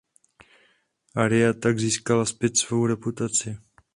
Aria tak získala zpět svou reputaci.